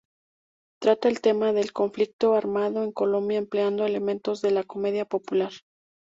Trata el tema del conflicto armado en Colombia empleando elementos de la comedia popular.